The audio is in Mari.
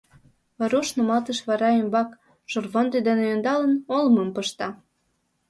Варуш нумалтыш вара ӱмбак, шорвондо дене ӧндалын, олымым пышта.